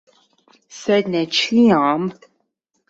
Sed ne ĉiam!